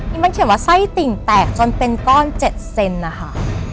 มันเขียนว่าไส้ติ่งแตกจนเป็นก้อน๗เซนนะคะ